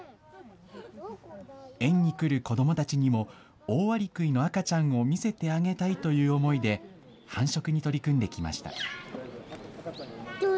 園に来る子どもたちにも、オオアリクイの赤ちゃんを見せてあげたいという思いで繁殖に取り組んできました。